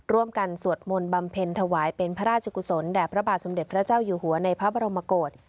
สวดมนต์บำเพ็ญถวายเป็นพระราชกุศลแด่พระบาทสมเด็จพระเจ้าอยู่หัวในพระบรมกฏ